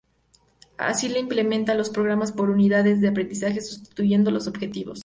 Así se implementan los programas por unidades de aprendizaje sustituyendo los de objetivos.